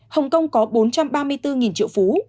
hồng kông có bốn trăm ba mươi bốn triệu phú